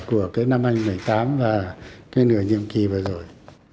cái nổi bật của cái năm một nghìn chín trăm bảy mươi tám và cái nửa nhiệm kỳ vừa rồi